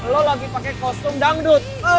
lu lagi pake costume dangdut